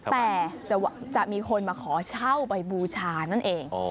แต่จะมีคนมาขอเช่าไปบูชานั่นเอง